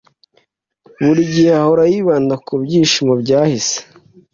buri gihe ahora yibanda ku byishimo byahise